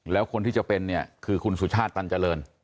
แล้วคนที่จะเป็นเนี่ยคือคุณสุชาติตันเจริญ